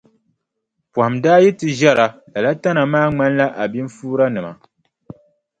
Pɔhim daa yi ti ʒɛra lala tana maa ŋmanila abinfuuranima.